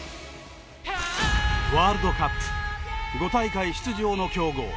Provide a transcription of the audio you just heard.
ワールドカップ５大会出場の強豪